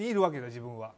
自分は。